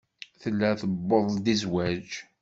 Tella tuweḍ-d i zzwaj.